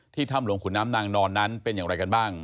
ถ้ำหลวงขุนน้ำนางนอนนั้นเป็นอย่างไรกันบ้าง